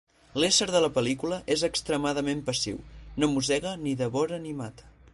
L'ésser de la pel·lícula és extremadament passiu: no mossega, ni devora, ni mata.